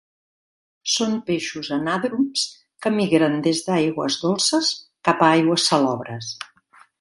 Són peixos anàdroms que migren des d'aigües dolces cap a aigües salobres.